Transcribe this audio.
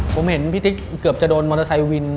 ผมเห็นพี่ติ๊กเกือบจะโดนมอเตอร์ไซค์วิน